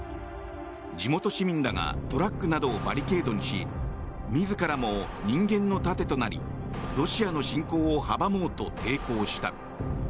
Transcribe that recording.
地元市民らがトラックなどをバリケードにし自らも人間の盾となりロシアの進行を阻もうと抵抗した。